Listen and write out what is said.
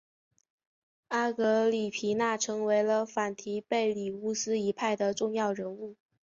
阿格里皮娜成了反提贝里乌斯一派的重要人物。